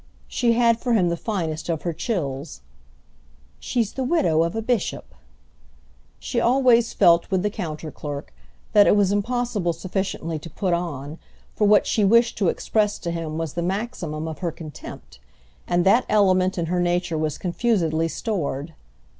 she had for him the finest of her chills: "She's the widow of a bishop." She always felt, with the counter clerk, that it was impossible sufficiently to put it on; for what she wished to express to him was the maximum of her contempt, and that element in her nature was confusedly stored.